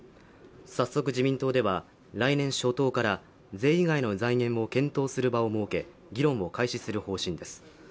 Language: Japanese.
早速自民党では来年初頭から税以外の財源も検討する場を設け議論を開始する方針です